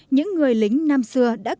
những người lính nam xưa đã cùng với các bác